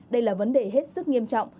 đây là vấn đề hết sức nghiêm trọng